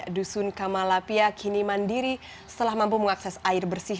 dusun kamalapia kini mandiri setelah mampu mengakses air bersih